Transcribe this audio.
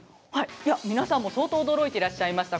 皆さんも相当驚いていらっしゃいました